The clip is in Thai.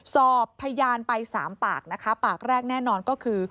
สอบพยานไป๓ปากนะคะปากแรกแน่นอนก็คือ